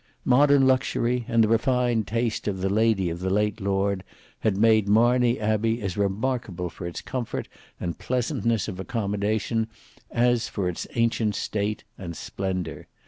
Modern luxury, and the refined taste of the lady of the late lord, had made Marney Abbey as remarkable for its comfort and pleasantness of accommodation as for its ancient state and splendour.